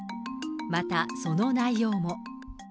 またその内容も。